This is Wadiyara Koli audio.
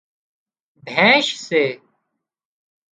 ڀيينش سي